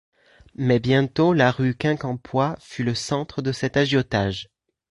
Mais bientôt la rue Quincampoix fut le centre de cet agiotage.